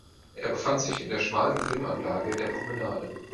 Er befand sich in der schmalen Grünanlage der Promenade.